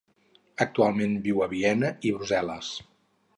Actualment viu a Viena i Brussel·les.